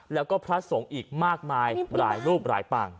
แล้วก็พระสงฆ์อีกมากมายมารายลูกใบปล้าง